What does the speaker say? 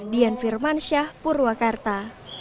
dian firman syah purwakarta